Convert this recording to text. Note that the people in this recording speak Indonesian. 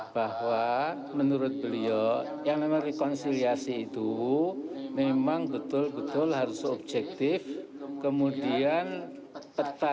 bahwa menurut beliau yang memang rekonsiliasi itu memang betul betul harus objektif kemudian peta